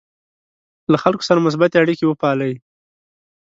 له خلکو سره مثبتې اړیکې وپالئ.